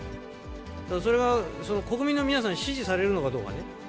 それは、その国民の皆さんに支持されるのかどうかね。